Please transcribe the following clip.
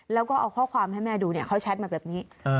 แล้วก็เอาข้อความให้แม่ดูเนี่ยเขาแชทมาแบบนี้